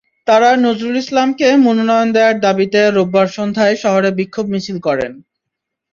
তাঁরা নজরুল ইসলামকে মনোনয়ন দেওয়ার দাবিতে রোববার সন্ধ্যায় শহরে বিক্ষোভ মিছিল করেন।